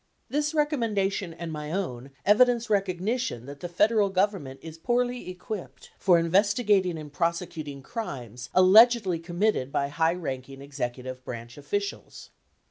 This recommendation and my own evidence recognition that ( 1105 ) 1106 the Federal Government is poorly equipped for investigating and prosecuting crimes allegedly committed by high ranking executive branch officials.